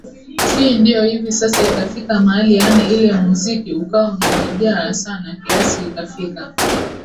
hii ndio hivi Sasa ikafika mahali yani ile muziki ukawa Unanijaa sana kiasi ikafika